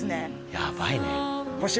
ヤバいね。